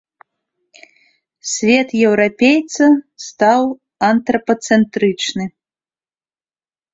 Свет еўрапейца стаў антрапацэнтрычны.